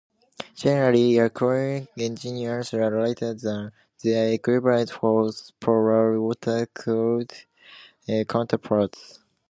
Generally, air-cooled engines are lighter than their equivalent horsepower water-cooled counterparts.